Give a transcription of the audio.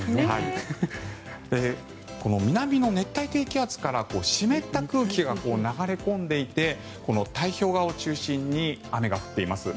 南の熱帯低気圧から湿った空気が流れ込んでいて太平洋側を中心に雨が降っています。